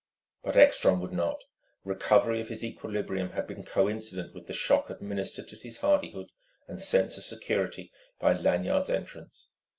But Ekstrom would not. Recovery of his equilibrium had been coincident with the shock administered to his hardihood and sense of security by Lanyard's entrance.